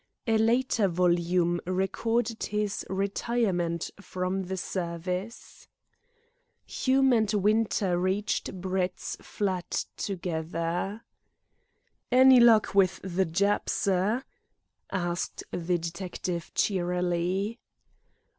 A later volume recorded his retirement from the service. Hume and Winter reached Brett's flat together. "Any luck with the Jap, sir?" asked the detective cheerily.